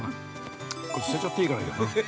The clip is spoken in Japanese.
捨てちゃっていいからいいよ。